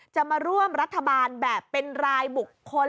จะมาร่วมรัฐบาลแบบเป็นรายบุคคล